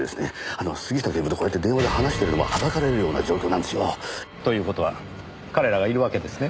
あの杉下警部とこうやって電話で話してるのもはばかられるような状況なんですよ。という事は彼らがいるわけですね。